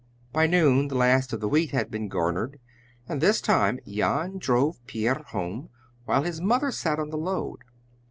By noon the last of the wheat had been garnered, and this time Jan drove Pier home, while his mother sat on the load.